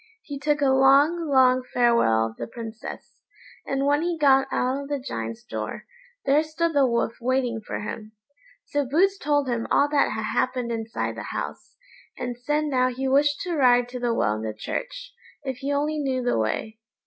He took a long, long farewell of the Princess, and when he got out of the Giant's door, there stood the Wolf waiting for him. So Boots told him all that had happened inside the house, and said now he wished to ride to the well in the church, if he only knew the way.